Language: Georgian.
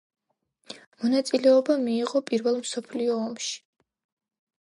მონაწილეობა მიიღო პირველ მსოფლიო ომში.